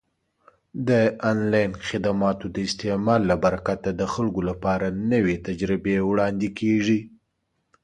د آنلاین خدماتو د استعمال له برکته د خلکو لپاره نوې تجربې وړاندې کیږي.